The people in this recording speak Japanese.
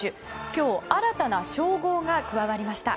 今日、新たな称号が加わりました。